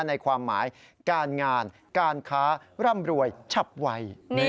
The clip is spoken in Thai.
ในความหมายการงานการค้าร่ำรวยชับไว